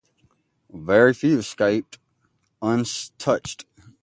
Very few escaped unscathed.